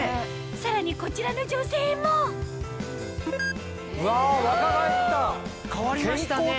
さらにこちらの女性もうわ若返った。